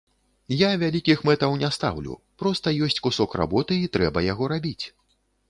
Я вялікіх мэтаў не стаўлю, проста ёсць кусок работы, і трэба яго рабіць.